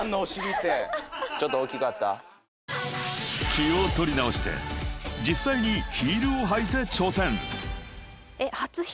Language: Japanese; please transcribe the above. ［気を取り直して実際にヒールを履いて挑戦］